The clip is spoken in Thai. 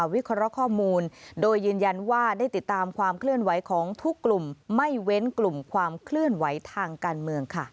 ประเทศไทยนะครับ